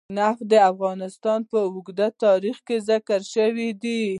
نفت د افغانستان په اوږده تاریخ کې ذکر شوی دی.